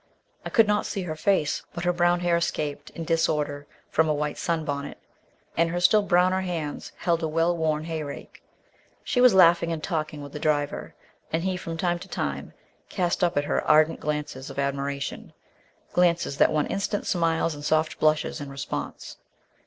I could not see her face, but her brown hair escaped in disorder from a white sun bonnet, and her still browner hands held a well worn hay rake. She was laughing and talking with the driver, and he, from time to time, cast up at her ardent glances of admiration glances that won instant smiles and soft blushes in response.